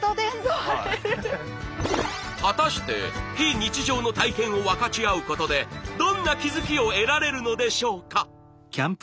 果たして非日常の体験を分かち合うことでどんな気づきを得られるのでしょうか。